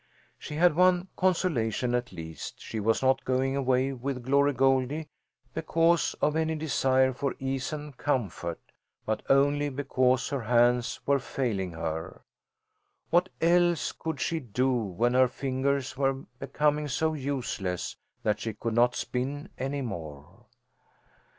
She had one consolation at least; she was not going away with Glory Goldie because of any desire for ease and comfort, but only because her hands were failing her. What else could she do when her fingers were becoming so useless that she could not spin any more?